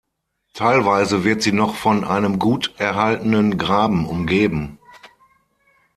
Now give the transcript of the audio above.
Teilweise wird sie noch von einem gut erhaltenen Graben umgeben.